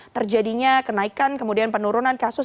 terjadinya kenaikan kemudian penurunan kasus